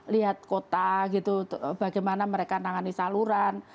lihat kota gitu bagaimana mereka menangani saluran